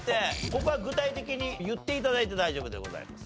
ここは具体的に言って頂いて大丈夫でございます。